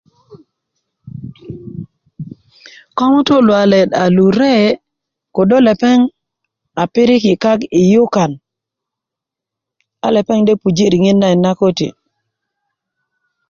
ko ŋutu luwalet a lure' ködö lepeŋ a piriki kak i yukan a lepeŋ de puji' reŋit nayit na köti